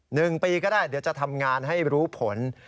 หนึ่งปีก็ได้เดี๋ยวจะทำงานให้รู้ผล